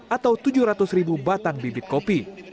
atau tujuh ratus ribu batang bibit kopi